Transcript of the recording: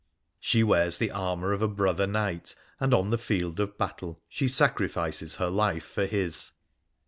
She wears the armour of a brother knight, and on the field cf battle she sacrifices her life for his.